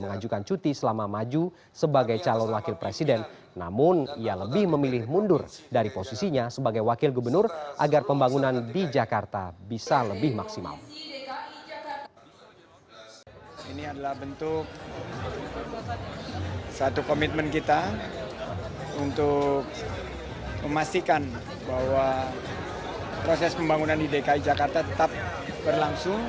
sandiaga tidak akan mencuti selama maju sebagai calon wakil presiden namun ia lebih memilih mundur dari posisinya sebagai wakil gubernur agar pembangunan di jakarta bisa lebih maksimal